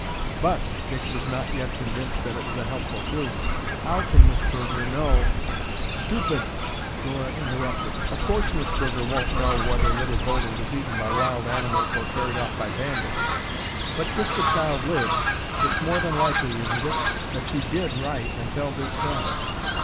"But," Dick was not yet convinced that it was a helpful clue, "how can Miss Burger know—" "Stupid!" Dora interrupted. "Of course Miss Burger won't know whether Little Bodil was eaten by wild animals or carried off by bandits, but if the child lived, it's more than likely, isn't it, that she did write and tell this friend."